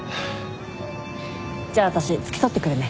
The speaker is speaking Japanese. じゃあ私付き添ってくるね。